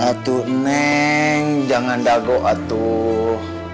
aduh neng jangan dagok atuh